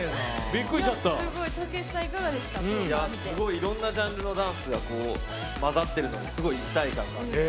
いろんなジャンルのダンスが、まざってるのにすごい一体感があって。